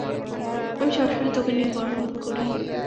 আমরা সবসময় তোকে নিয়ে গর্ববোধ করি।